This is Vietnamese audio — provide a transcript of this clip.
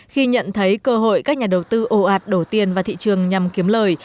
khi nhận thấy cơ hội các nhà đầu tư ồ ạt đổ tiền vào thị trường nhằm kiếm lời